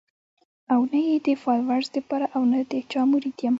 او نۀ ئې د فالوورز د پاره او نۀ د چا مريد يم